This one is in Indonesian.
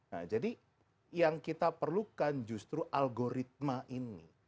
nah jadi yang kita perlukan justru algoritma ini